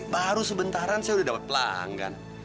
baru sebentaran saya udah dapat pelanggan